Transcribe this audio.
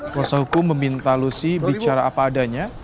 kuasa hukum meminta lucy bicara apa adanya